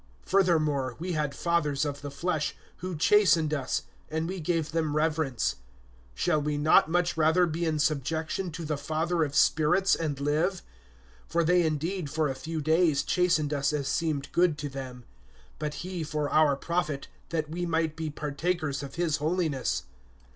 (9)Furthermore, we had fathers of our flesh, who chastened us, and we gave them reverence; shall we not much rather be in subjection to the Father of spirits, and live? (10)For they indeed for a few days chastened us as seemed good to them; but he for our profit, that we might be partakers of his holiness.